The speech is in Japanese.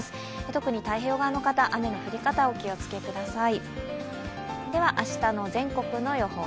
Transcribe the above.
特に太平洋側の方、雨の降り方にお気をつけください。